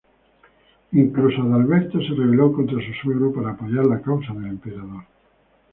Incluso Adalberto se rebeló contra su suegro para apoyar la causa del emperador.